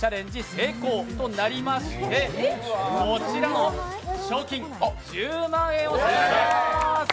成功となりまして、こちらの賞金１０万円を差し上げまーす。